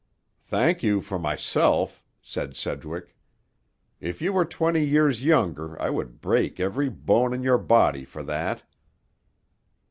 "Thank you for myself," said Sedgwick. "If you were twenty years younger I would break every bone in your body for that."